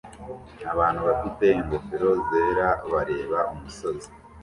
Abantu bafite ingofero zera bareba umusozi